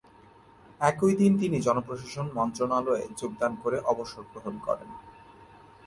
একই দিন তিনি জনপ্রশাসন মন্ত্রণালয়ে যোগদান করে অবসর গ্রহণ করেন।